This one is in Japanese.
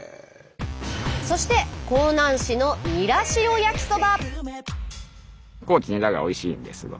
そして香南市のニラ塩焼きそば。